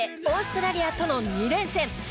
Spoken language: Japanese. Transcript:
オーストラリアとの２連戦。